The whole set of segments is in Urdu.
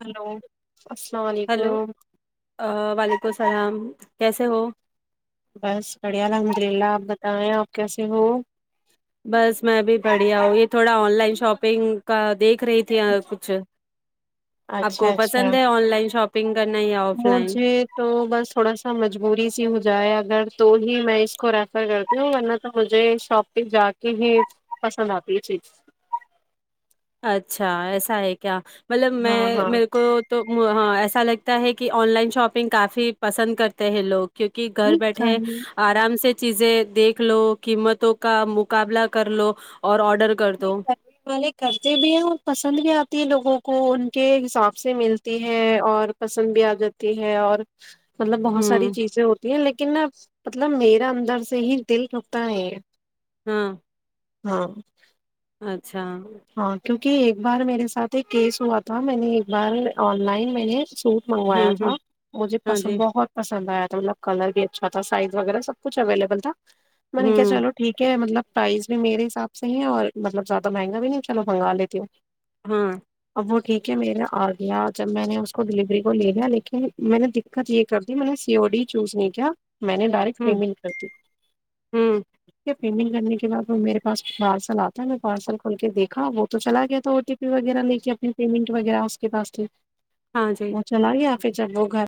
ہلو السلام ہیلو علیکم آ کو سلام کیسے ہو بس بڑھیا الحمد للہ آپ بتائیں آپ کیسے ہو بس میں بھی بڑھیا ہوں یہ تھوڑا آن لائن شاپنگ کا دیکھ رہی تھی کچھ آپ اچھا کو اچھا پسند ہے آن لائن شاپ مجھے تو بس تھوڑا سا مجبوری سی ہو جا ا تو ہی میں اس کو ریفر کرتی ہوں ورنہ تو مجھے شاپ پہ جا کے ہی پسند آتی یہ چیز اچھا ایسا ہے کیا مطلب ہاں میں ہاں میرے کو تو ہ ایسا لگ ہے کہ آن لائن شاپنگ کافی پسند کرتے ہیں لوگ کیونکہ گھر نہیں کر بیٹھے آرام سے چیزیں دیکھ لو قیمتوں کا مقابلہ کر لو اور آڈر آڈر کر دو [unintelligible] کرنے والے کرتے بھی ہیں اور پسند بھی آتی ہے لوگوں کو ان کے حساب سے ملتی ہے اور پسند بھی آ جاتی ہے اور مطلب بہت ساری ہوں چیزیں ہو لیکن مطلب میرا اندر سے ہی دل رکتا ہے ہاں [unintelligible] ہاں [unintelligible] ااںھ [inaudible] ہاں کیونکہ ایک بار میرے ساتھ ایک کیس ہوا تھا میں نے ایک بار آن لائن میں نے سوٹ منگوایا ہوں ہوں تھا مجھے ہاں پسند جی بہت پسند آیا تھا مطلب کلر بھی اچھا تھا سائز وغیرہ سب کچ اویلیبل تھا میں نے کہ ہوں چلو ٹھیک ہے مطلب پرائز بھی میرے حساب سے ہی ہے اور مطلب زیادہ مہنگا بھی نہیں چلو منگوا لیتی ہو ہاں وہ ٹھیک ہے میرا آ گیا جب میں نے اس کو ڈیلیوری کو لے لیا لیکن میں نے دقت یہ کر دی میں نے سی او ڈی چوز نہیں کیا میں نے ڈائریکٹ ہوں پیمنٹ کر دی ہوں، پیننگ کرنے کے بع وہ میرے پاس پارسل آتا ہے میں پارسل کھل کے دیکھ ہاں وہ تو چلا گیا تھا او ٹی پی وغیرہ لے کے اپنی پیمنٹ وغیرہ اس کے پاس ل ہاں جی، وہ چلا آ گیا آپ [unintelligible] پھر جب وہ گھر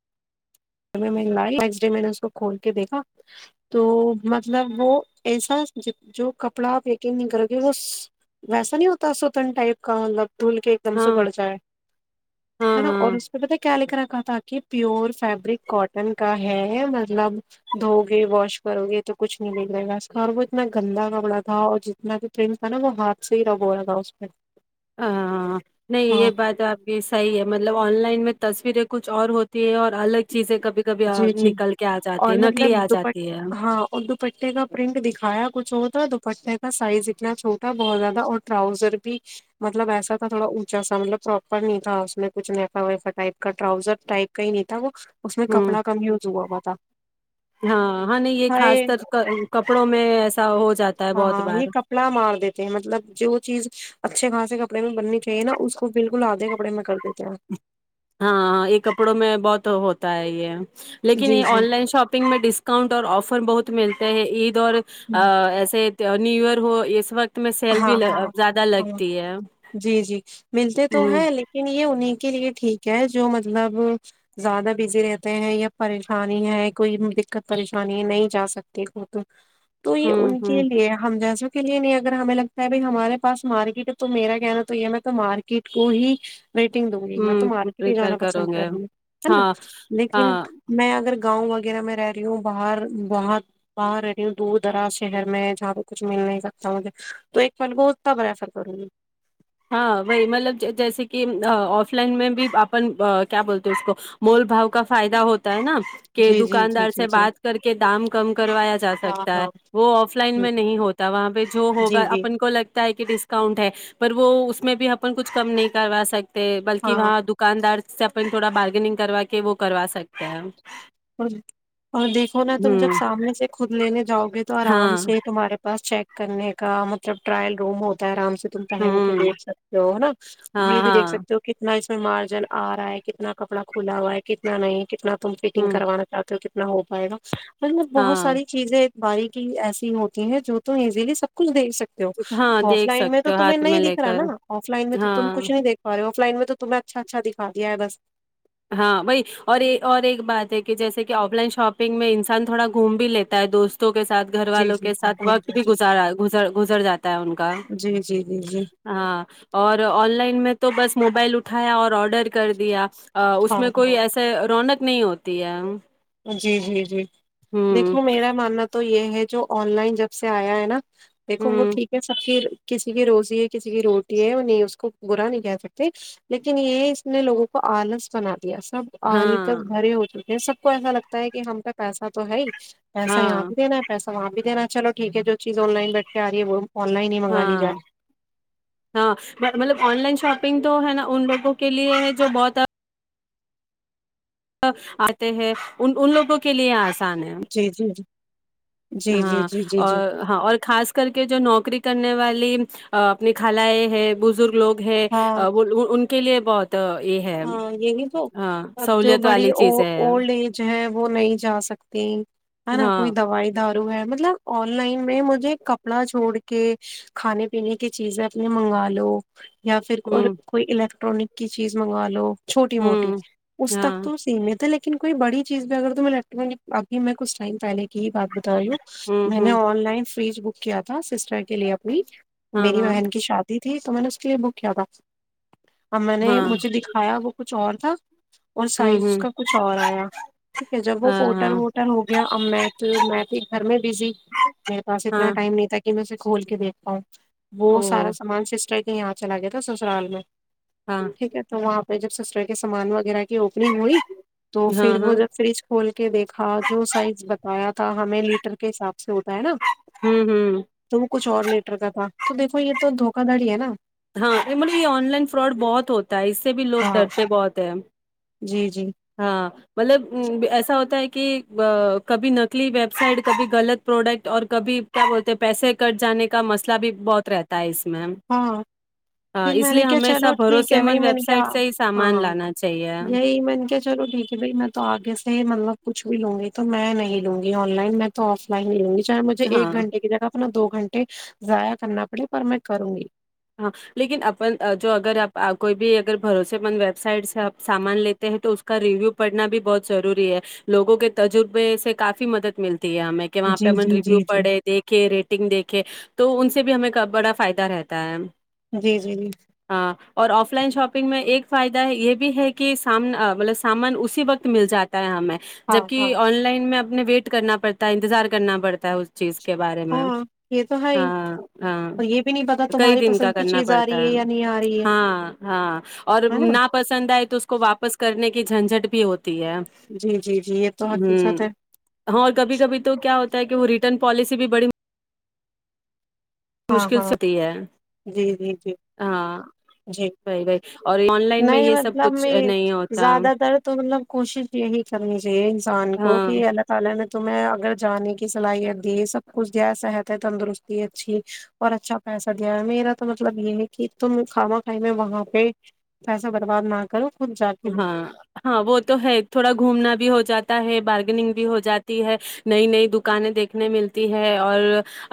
نیکسٹ ڈے میں نے اس کو کھول کے دیکھا تو مطلب وہ ایسا جو کپڑا آپ یکنگ نہیں کرو گے وہ ویسا نہیں ہوتا سوتن ٹائپ کا مطلب دھول کے ایک دم سے ہاں، بڑھ جائے ہاں، ہے نا اور ہاں، اس پی پتا کیا لکھ رہ تاک پیور فیبرک کاٹن کا ہے مطلب دھو گے واش کرو گے تو کچھ نہیں بگڑے گا اس کا اور وہ اتنا گندا کپڑا تھا اور جتنا بھی پرنٹ تھا نا وہ ہاتھ سے ہی رب ہو رہا تھا اس پ ہاں نہیں یہ بات آپ کی صحیح ہے مطلب آن لائن میں تصویریں کچھ اور ہوتی ہے اور الگ چیزیں کبھی کبھی آ جی جی نکل کے آ جاتی اور ہے مطلب نکلی آ دوپٹ جاتی ہے ہاں اور دوپٹے کا پرنٹ دکھایا کچھ اور تھا دوپٹے کا سائز اتنا چھوٹا بہت زیادہ اور ٹراؤزر بھی مطلب ایسا تھا تھوڑا اونچا سا مطلب پراپر نہیں تھا اس میں کچھ نفا ویفا ٹائپ کا راؤزر ٹائپ کا ہی نہیں تھا وہ اس میں ک ہاں ہوں نہیں یہ خاص ہائے کر کپڑوں میں ایسا ہو جاتا ہے بہت ہاں بار یہ کپڑا مار دیتے ہیں مطلب جو چیز اچھے خاصے کپڑے میں بننی چاہے نا اس کو بالکل آدھے کپڑے میں کر دیتے ہیں ہاں ہاں یہ کپڑوں میں بہت ہوتا ہے یہ لیکن جی یہ جی آن لائن شاپنگ میں ڈسکؤنٹ اور آفر بہت ملتے ہیں عید اور ہوں ایسے نیو ایئر ہو اس وقت میں سیل بھی ہاں ل ہاں زیادہ ہاں لگتی ہے جی جی ملتے ہ تو ہیں لیکن یہ انہیں کے لیے ٹھیک کیا جو مطلب زیادہ بزی رہتے ہیں یا پریشانی ہے کوئی دقت پریشانی ہے نہیں جا سکتی ہو تو تو ہ یہ ان ہ کے لیے ہم جیسو کلیے نہیں اگر ہمیں لگتا ہے ب ہمارے پاس مارکیٹ ہے تو میرا کہنا تو یہ ہے میں تو مارکیٹ کو ہی ریٹنگ دوں گی میں تو ہوں مارکیٹ ہی پریپئر جانا کرو پسند گے کروں گی ہے نا ہاں لیکن ہاں میں اگر گاؤں وغیرہ میں رہی ہوں باہر باہر باہر رہ رہی ہوں دور دراز شہر میں جہاں پہ کچھ مل نہیں سکتا مجھے تو ایک پل کو طبھ ریفر کروں گی ہاں وہی مطلب جیسے کہ آف لائن میں بھی اپن کیا بولتے اس کو مول بھؤ کا فائدہ ہوتا ہوتا ہے نا کہ جی جی جی دکاندار جی سے جی بات کر کے دام کم کروایا جا ہاں سکتا ہاں ہے وہ آف لائن ہ میں نہیں ہوتا وہاں پہ جو ہوگا جی جی اپن کو لگتا ہے کہ ڈسکاؤنٹ ہے وہ اس میں بھی اپن کچھ کم نہیں کروا سکتے ہاں بلکہ وہاں دکاندار سے اپن تھوڑا بارگنگ کروا کہ وہ کر سک اور اور دیکھو نا تم ہوں جب سامنے سے خود لینے جاؤ گے تو آرام ہاں سے تمہارے پاس چیک کرنے کا مطلب ٹرائل روم ہوتا ہے آرام سے تم پہن کے ہوں دیکھ سکتے ہو نا یہ ہاں بھی دیکھ ہاں سکتے ہو کتنا اس مارجن آ رہا ہے کتنا کپڑا کھلا ہ ہوا ہے کتنا نہیں کتنا تم فٹنگ ہوں کروا چاہتے ہو نہ ہو پائے گا ہ بہت ہاں ساری چیزیں باریکی ایسی ہوتی ہے جو تم ایزیلی سب کچھ دیکھ سکتے ہاں آف دیکھ لائن میں سکتے تو ہو تمہیں ہاتھ میں نہیں لے دکھ رہا کر نا آف لائن میں تو تم ہاں کچھ نہیں دیکھا رہے ہو اس لائن میں تو تمہیں اچھا اچھا دکھایا بس ہاں وہی اور اور ایک بات ہے کہ جیسے کہ آف لائن شاپنگ میں انسان تھوڑا گھوم بھی لیتا ہے دوستوں کو کے ساتھ گھر جی والوں جی کے جی ساتھ جی وقت بھی جی گز گزر جاتا ہے ان کا جی جی جی جی ہاں اور آن لائن میں تو بس موبائل اٹھایا اور آرڈر کر دیا اس ہاں میں ہاں کوئی ایسے رونق نہیں ہوتے ہیں جی جی جی دیکھو میرا ماننا تو یہ جو آن لائن جب سے آیا ہے نا دیکھو وہ ہوں ٹھیک ہے سفیر کسی کی روزی ہے کسی کی روٹی ہے وہ نہیں اس کو برا نہیں کہ سکتے لیکن یہ اس نے لوگوں کو آلس بنا سب آلس ہاں بھرے ہو چک یہ سب کو ایسا لگتا ہے کہ ہم کا پیسا تو ہے ہی پیسہ یہاں ہاں بھی دینا ہے پیسا وہاں بھی دینا ہے چلو ٹھیک ہے جو چیز آن لائن بیٹھ آ رہی ہے وہ آن لائن ہی منگا لی ہاں جائے ہاں مطلب آن لائن شاپ نگ تو ہے نا ان لوگوں کے لیے ہے جو بہت آتے ہیں ان ان لوگوں کے لیے آ جی جی جی جی جی ہاں جی جی جی اور ہاں اور خاص کر کے جو نوکری کرنے والی اپنی خلا ہے ہے بزرگ لوگ ہے ہاں وہ ان کے لیے بہت آ، یہ ہے ہاں یہی تو ہاں اب جو سہولیت بڑی والی چیز ہے اولڈ ایج ہے وہ نہیں جا سکتی ہے نا کوئی ہاں دوائی د مطلب آن لائن میں مجھے کپڑا چھوڑ کے کھانے پینے کی چیزیں اپنے منگا لو یا پھر اور ہوں کوئی ٹرک کی چیز منگا لو چھوٹی موٹی ہوں اس تک ہاں تو سیمت ہے لیکن ل کوئی بڑی چیز بھی اگر تو میں لگ ہوں آگ میں کچھ ٹائمہے کی ہی بات بتائی ہوں میں نے ہوں آن لائن [unintelligible] فریج بک کیا تھا سسٹر [unintelligible] کے لیے اپنی ہاں میری ہاں بہن کی شادی تھی تو میں نے ج بک با [unintelligible] ہم نے ہاں دکھایا وہ کچھ اور تھا اور ہوں سائز اس ہوں کا کچھ اور آیا ٹھیک ہے جب وہ ہاں پورٹر ہاں وورٹر ہو گیا اب میں تو میں پ گھر میں بزی میرے پاس اتنا ہاں ٹائم نہیں تھا میں اس سے کھول کے دیکھتاا ہوں [unintelligible] او وہ سارا سامان سےسٹر یہاں چلا گیا تھا سسرال میں ہاں [unintelligible] ٹھیک ہے تو وہاں پہ جب سسٹر کے سامان وغیرہ کی [unintelligible] اپنی مڑی تو ہاں پھر ہاں وہ جب فریج کھول کے دیکھا جو سائز بتایا [unintelligible] ہمیں لیٹر کے حساب سے [unintelligible] ہوتا ہے نا ہوں ہوں تو کچھ اور لیٹر کا تھا تو دیکھو یہ تو دھوکا دڑی ہے نا [unintelligible] ہاں مولے یہ آن لائن فراڈ بہت ہوتا اس سے بھی لوگ ہاں ڈرتے بہت ہیں جی جی ہاں [unintelligible] مطلب ایسا ہوتا ہے کہ کبھی نکلی ویب سائٹ کبھی غلط پروڈکٹ اور کبھی کیا بولتے پیسے کٹ جانے کا مسئلہ بھی بہت رہتا ہے اس [unintelligible] میم [unintelligible] ہاں پھر میں نے کیا چلو ٹھیک بھروسے ہے بائی مند میں ویب نے کیا سائٹ سے ہی سامان ہاں لانا چاہیے یہی میں نے کیا چلو ٹھیک ہے بائی میں تو آگے سے ہی مطلب کچھ بھی لوں گی تو میں نہیں لوں گی آن لائن میں تو آف لائن ہی لوں گی چاہے مجھے ایک ہاں گھنٹے کی جگہ اپنا دو گھنٹے ضائیا کرنا پڑے پر میں کروں گی ہاں لیکن اپن جو اگر آپ کوئی بھی اگر بھروسے مند ویب سائٹ سے آپ سامان لیتے ہیں تو اس کا ریویو پڑھنا بھی بہت ضروری ہے لوگوں کے تجربے سے کافی مدد ملتی ہمیں کہ وہاں پہ جی اپن جی ریویو جی جی پڑھے دیکھے ریٹنگ دیکھے تو ان سے بھی ہمیں کا بڑا فائدہ رہتا ت جی جی جی ہاں اور آف لائن شاپ گ میں ایک فائدہ یہ بھی ہے کہ س مطلب سامان اسی وقت مل جاتا ہمیں ہاں جبک ہاں آن لائن میں اب اپنے ویٹ کرنا پڑتا ہے انتظار کرنا پڑتا ہے اس چیز کا کے بارے میں ہاں یہ تو ہے ہی ہاں ہاں اور یہ بھی نہیں پتا کئی تمہاری دن کا پسند کی کرنا چیز آ پڑتا رہی ہے یا نہیں آ رہی ہے ہاں ہاں اور نا پسند آئے تو اس کو واپس کر نے کی جھنجٹ بھی ہوتی ہے جی جی جی یہ تو ہ حقیقت ہے ہاں اور کبھی کبھی تو کیا ہوتا ہے کہ وہ ریٹرن پالیسی بھی بڑی ہاں مشکل ہاں ستی ہے جی جی جی ہاں جی وہی وہی اور آن لائن میں نہیں یہ سب مطلب کچھ میں نہیں ہوتا زیادہ تر تو مطلب کوشش یہی کر رہے اے انسان کو ہاں کہ اللہ تعالی نے تو میں اگر جانے کی صلاحیت دی سب کچھ دیا صحت ہے تندرستی اچھی اور اچھا پیسہ دیا ہے میرا تو مطلب یہ ہے کہ تم کھانا کھائی میں وہاں پہ پیسہ برباد نہ کرو خود جا کے لو ہاں ہاں وہ تو ہے تھوڑا گھومنا بھی ہو جاتا ہے بارگنگ بھی ہو جاتی ہے نئی نئی دکانیں دیکھنے ملتی ہے اور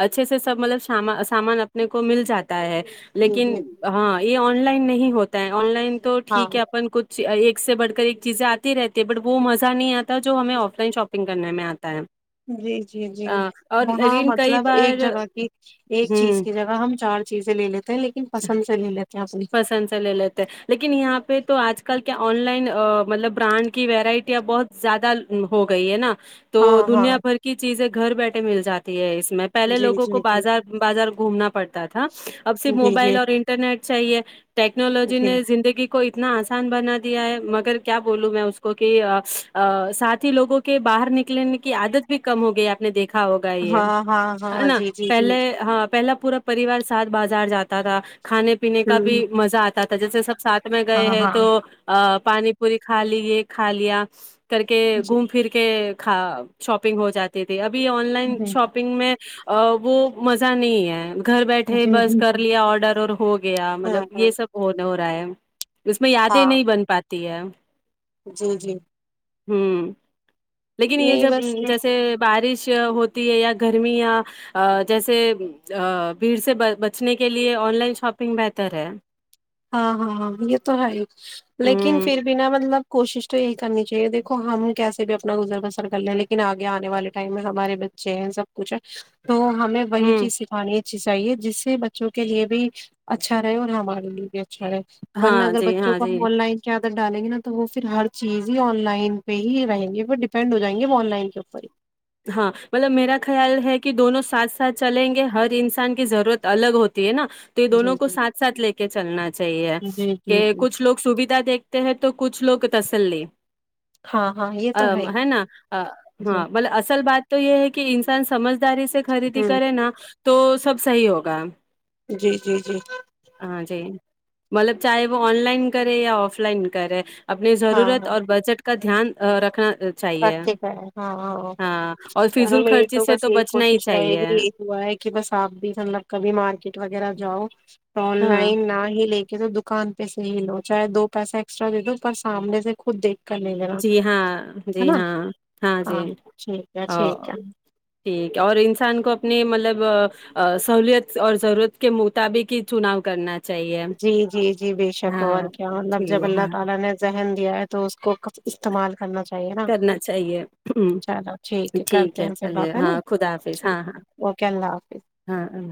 اچھے سے سب مطلب سام سامان اپنے کو مل جاتا ہے جی لیکن جی ہاں یہ آن آ لائن نہیں ہوتا ہے آن لائن تو ہاں ٹھیک ہے اپن کچھ ایک سے بڑھ کر ایک چیزیں آتی رہتی ہے بٹ وہ مزہ نہیں آتا جو ہمیں آف لائن شاپنگ کرنے میں آتا ہے جی جی جی آ، اور وہاں لیکن کئی مطلب بار ایک جگہ کی ایک ہوں چیز کی جگہ ہم چار چیزیں لے لیتے ہیں لیکن پسند سے لے لیتے ہیں اپنی پسند سے لے لیتے لیکن یہاں پہ تو آج کل کیا آن لائن مطلب برانڈ کی ویرائٹییا ا بہت زیادہ ہو گئی ہے نا تو ہاں ہاں دنیا بھر کی چیزیں گھر بیٹھے مل جاتی ہے اس میں پہلے جی لووں کو جی جی بازار بازار گھومنا پڑتا تھا اب صرف جی موبائل جی اور انٹرنیٹ چاہیے ٹیکنالوجی جی نے زندگی کو اتنا آسان آسان بنا دیا ہے مگر کیا بولوں میں اس کو کہ ساتھ ہی لوگوں کے باہر نکلنے کی عادت بھی کم ہو گئی آپ نے دیکھ ا ہوگا یہ ہاں ہاں ہاں نا جی جی جی پہلے ہاں پہلا پورا پریوار ساتھ بات جاتا تھا کھانے پینے کا ہوں بھی مزہ آتا تھا جیسے سب ساتھ میں گئے ہاں ہیں ہاں تو پانی پوری کھا لی یہ کھا لیا کر کے جی گھوم پھر کے ک شاپنگ ہو جاتے تھے اب بھی آن لائن جی شاپنگ میں ا وہ مزہ نہیں ہے گھر بیٹھے جی بس جی کر جی لیا آڈر اور ہوگیا گیا ہاں مطلب ہاں یہ سب ہونا ہو پرائم [inaudible] اس میں یادیں ہاں نہیں بن پاتی ت ہے [inaudible] جی جی ہوں [inaudible] لیکن یہ نہیں جب بس جیسے بارش ہوتی ہے یا گرمی یا جیسے بھیڑ سے بچنے کے لیے آن لائن شاپ نگ بہتر ہے ہاں ہاں ہاں یہ تو ہے لیکن ہوں پھر بھینا مطلب کوشش تو یہی کرنی چاہیے دیکھو ہم کیسے بھی اپنا گزر بسر کر لیں ہیں لیکن آگے آنے والے ٹائم میں ہمارے بچے ہیں سب کچھ ہے تو ہمیں وہی ہوں چیز سکھانی ہے اچ چاہیے جس سے بچوں کے لیے بھی اچھا رہے اور ہم ہمارے لیے بھی اچھا ہے ورن ہاں اگر جی بچوں ہاں کو جی ہم آن لائن کیااہ ڈالیں گے نا تو وہ پھر ہر چیز ہی آن لائن پہ ہی رہیں گے ڈیپینڈ ہو جائیں گے ا آن لائن کے اوپر ہی ہاں مطلب میرا خیال ہے کہ دونوں سھ ساتھ چلیں گے ہر انسان کی ضرورت الگ ہوتی ہے نا تو یہ ہی دونوں جی کو جی ساتھ ساتھ لے کے چلنا چاہیے جی کہ جی جی کچھ لوگ سویدھا دیکھتے ہیں تو کچھ لوگ تسلی ہاں ہاں یہ ا تو ہی ہے نا جی ہاں اصل بات تو یہ ہے کہ انسان سمجھ داری سے خریدی ہوں کرے نا تو سب صحیح ہوگا جی جی جی ہاں جی مطلب چاہے وہ آن لائن کرے یا آف لائن کرے اپنی ہاں ضرورت ہاں اور بجٹ کا دھیان رکھنا چاہیے رکھے گ ہاں ہاں اور چلو فضول میری خرچی تو سے بس یہی بچنا ہی کوشش رہے چاہیے گی یہ ہوا ہے کہ بس آپ بھی مطلب کبھی مارکیٹ وغیرہ جاؤ آن ہاں لائن ناہی لے کے تو دکان پہ سے ہی لو چاہے دو پیسہ ایکسٹرا دے دو پر سامنے سے خود دیکھ کے جی ہاں جی ہاں ہاں جی ٹھیک ہے او ٹھیک ہے ٹھیک ہے اور انسان کو اپنے مطلب سہولت اور ضرورت کے مطابق ہی چناؤ کرنا چاہیے جی جی بے شک اور ہاں کیا ٹھیک مطلب ہے اللہ ہاں تعالی نے ذہن دیا ہے تو کو استعمال کرنا چاہیے نا کرنا چاہیے چلو ٹھیک ہے کرتے ہیں پھر چلیے بات ہے نا ہاں خدا حافظ ٹھیک ہاں اوکے اللہ حافظ ہاں ہاں